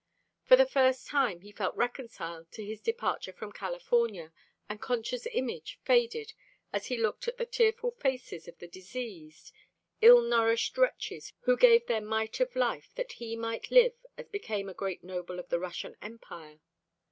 For the first time he felt reconciled to his departure from California, and Concha's image faded as he looked at the tearful faces of the diseased, ill nourished wretches who gave their mite of life that he might live as became a great noble of the Russian Empire.